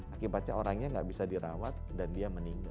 akibatnya orangnya nggak bisa dirawat dan dia meninggal